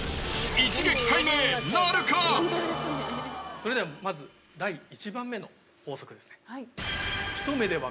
それではまず第１番目の法則ですね。